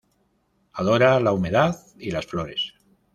Adora la humedad y las flores.